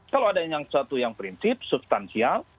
kalau ada yang prinsip substansial